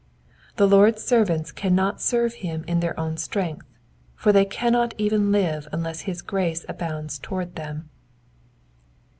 The Lord's servants cannot serve hiip in their own; strength^ for they cannot even live unless his grace abounds towards them.